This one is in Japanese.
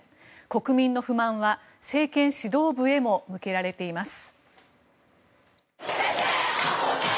国民の不満は、政権指導部へも向けられています。